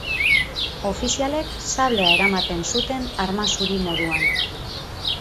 Ofizialek sablea eramaten zuten arma zuri moduan.